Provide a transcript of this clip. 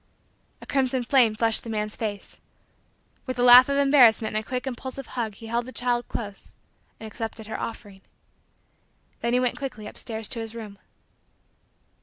A crimson flame flushed the man's face. With a laugh of embarrassment and a quick impulsive hug he held the child close and accepted her offering. Then he went quickly upstairs to his room.